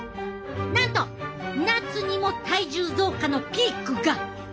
なんと夏にも体重増加のピークが！